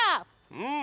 うん！